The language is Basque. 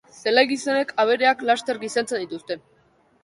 Zelai gizenek abereak laster gizentzen dituzte